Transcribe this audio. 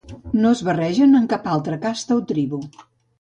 No es barregen amb cap altra casta o tribu.